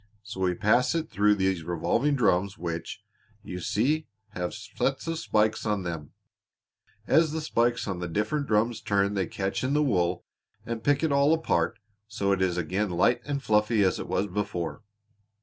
So we pass it through these revolving drums which, you see, have sets of spikes on them; as the spikes on the different drums turn they catch in the wool and pick it all apart so it is again light and fluffy as it was before."